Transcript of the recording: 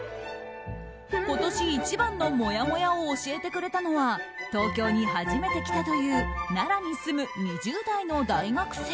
今年一番のもやもやを教えてくれたのは東京に初めて来たという奈良に住む２０代の大学生。